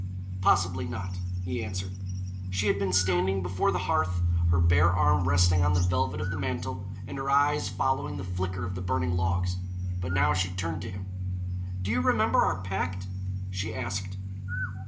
"Possibly not," he answered. She had been standing before the hearth, her bare arm resting on the velvet of the mantel, and her eyes following the flicker of the burning logs but now she turned to him. "Do you remember our pact?" she asked.